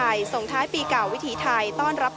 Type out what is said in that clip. พาคุณผู้ชมไปติดตามบรรยากาศกันที่วัดอรุณราชวรรมมหาวิหารค่ะ